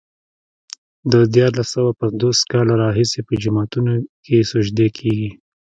د دیارلس سوه پنځوس کاله راهيسې په جوماتونو کې سجدې کېږي.